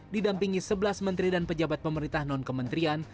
didampingi sebelas menteri dan pejabat pemerintah non kementerian